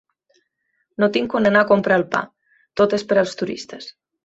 No tinc on anar a comprar el pa, tot és per als turistes.